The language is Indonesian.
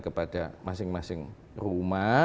kepada masing masing rumah